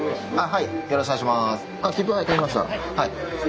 はい。